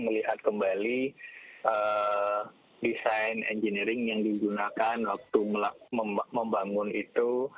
melihat kembali desain engineering yang digunakan waktu membangun itu